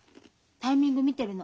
タイミング見てるの。